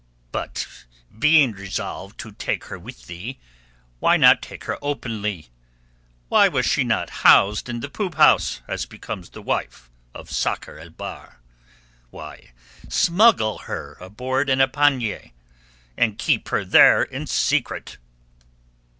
"But being resolved to take her with thee, why not take her openly? Why was she not housed in the poop house, as becomes the wife of Sakr el Bahr? Why smuggle her aboard in a pannier, and keep her there in secret?"